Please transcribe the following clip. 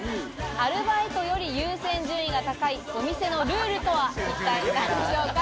アルバイトより優先順位が高いお店のルールとは一体何でしょうか？